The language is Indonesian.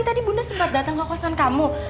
tadi bunda sempat datang ke kosan kamu